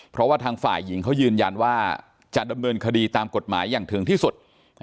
เพราะว่าทางฝ่ายหญิงเขายืนยันว่าจะดำเนินคดีตามกฎหมายอย่างถึงที่สุด